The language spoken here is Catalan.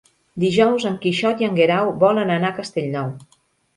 Dijous en Quixot i en Guerau volen anar a Castellnou.